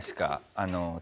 あの。